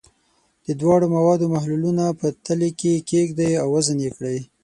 د دواړو موادو محلولونه په تلې کې کیږدئ او وزن یې کړئ.